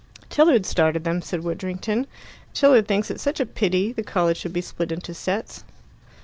"Tilliard started them," said Widdrington. "Tilliard thinks it such a pity the college should be split into sets."